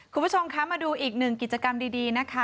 คุณผู้ชมคะมาดูอีกหนึ่งกิจกรรมดีนะคะ